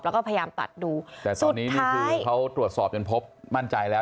แล้วก็พยายามตัดดูแต่ตอนนี้นี่คือเขาตรวจสอบจนพบมั่นใจแล้ว